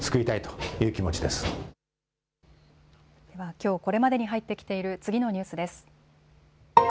きょう、これまでに入ってきている次のニュースです。